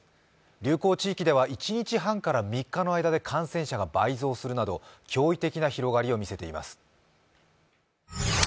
流行地域では１日半から３日の間で感染者が倍増するなど驚異的な広がりを見せています。